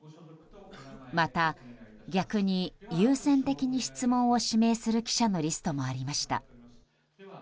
また、逆に優先的に質問を指名する記者のリストもありました。